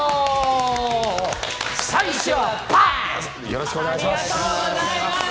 よろしくお願いします！